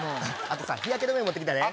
あとさ日焼け止め持って来たで。